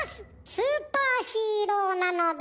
スーパーヒーローなのだ！